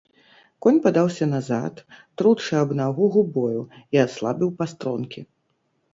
Конь падаўся назад, тручы аб нагу губою, і аслабіў пастронкі.